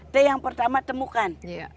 t yang pertama temukan